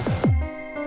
tidak ada apa apa